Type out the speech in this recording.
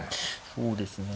そうですね。